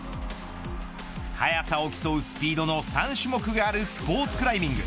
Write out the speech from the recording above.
速さを競うスピードの３種目があるスポーツクライミング。